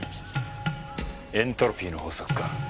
エントロピーの法則か。